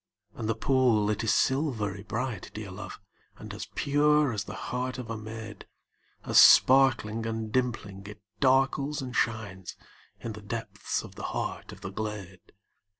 And the pool, it is silvery bright, dear love, And as pure as the heart of a maid, As sparkling and dimpling, it darkles and shines In the depths of the heart of the glade.